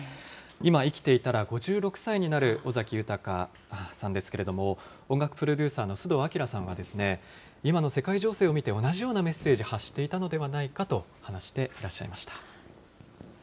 今生きていたら５６歳になる尾崎豊さんですけれども、音楽プロデューサーの須藤晃さんは、今の世界情勢を見て同じようなメッセージ、発していたのではないかと話していらっしゃいました。